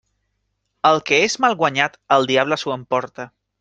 El que és mal guanyat el diable s'ho emporta.